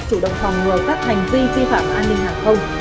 chủ động phòng ngừa các hành vi vi phạm an ninh hàng không